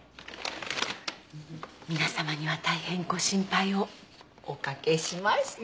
皆様には大変ご心配をおかけしました！